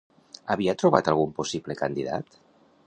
Havia trobat algun possible candidat?